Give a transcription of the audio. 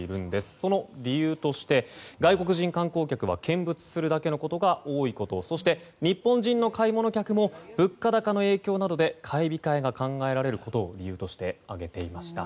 その理由として、外国人観光客は見物するだけのことが多いことそして日本人の買い物客も物価高の影響などで買い控えが考えられることが理由として挙げていました。